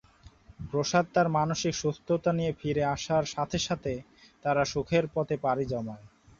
প্রসাদ তার মানসিক সুস্থতা নিয়ে ফিরে আসার সাথে সাথে তারা সুখের পথে পাড়ি জমায়।